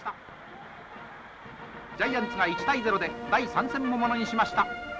ジャイアンツが１対０で第３戦もものにしました。